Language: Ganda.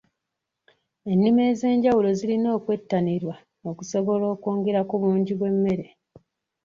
Ennima ez'enjawulo zirina okwettanirwa okusobola okwongera ku bungi bw'emmere.